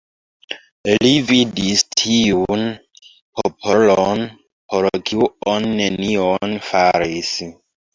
Li vidis tiun popolon, por kiu oni nenion faris.